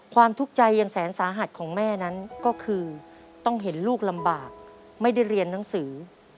ทุกข์ใจยังแสนสาหัสของแม่นั้นก็คือต้องเห็นลูกลำบากไม่ได้เรียนหนังสือ